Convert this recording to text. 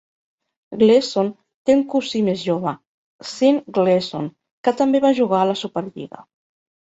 Gleeson té un cosí més jove, Sean Gleeson, que també va jugar a la Superlliga.